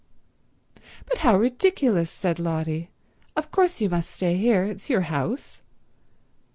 "But how ridiculous," said Lotty. "Of course you must stay here. It's your house.